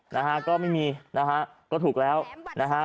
นะฮะก็ไม่มีนะฮะก็ถูกแล้วนะฮะ